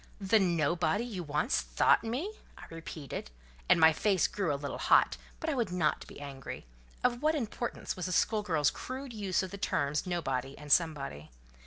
"The nobody you once thought me!" I repeated, and my face grew a little hot; but I would not be angry: of what importance was a school girl's crude use of the terms nobody and somebody?